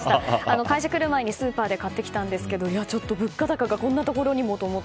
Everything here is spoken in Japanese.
会社来る前にスーパーで買ってきたんですけど物価高がこんなところにもと思って。